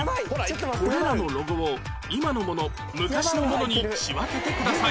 これらのロゴを今のもの昔のものに仕分けてください